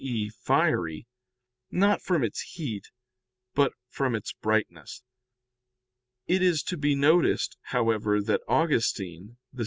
e. fiery, not from its heat, but from its brightness. It is to be noticed, however, that Augustine (De Civ.